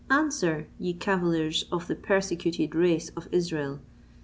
Answer, ye cavillers against the persecuted race of Israel!